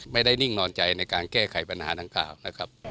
นิ่งนอนใจในการแก้ไขปัญหาดังกล่าวนะครับ